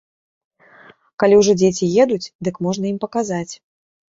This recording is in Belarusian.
Калі ўжо дзеці едуць, дык можна ім паказаць.